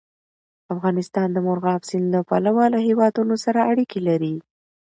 افغانستان د مورغاب سیند له پلوه له هېوادونو سره اړیکې لري.